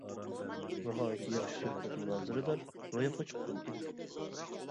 ناھايىتى ياخشى سۆھبەت، مۇنازىرىلەر روياپقا چىققان ئىدى.